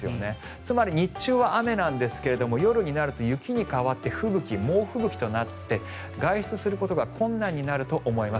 つまり日中は雨ですが夜になると雪に変わって吹雪、猛吹雪となって外出することが困難になると思います。